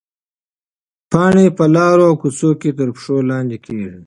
پاڼې په لارو او کوڅو کې تر پښو لاندې کېږي.